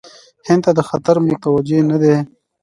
هند ته خطر متوجه نه دی.